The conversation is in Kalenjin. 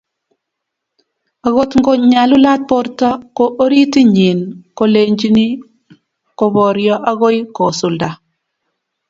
akot ngo nyalulat borto, ko orititnyin kolenychini koboryo akoi koosulda